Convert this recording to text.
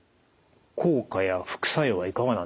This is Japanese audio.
効果や副作用はいかがなんでしょうか？